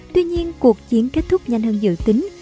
tuy nhiên cuộc chiến kết thúc nhanh hơn dự tính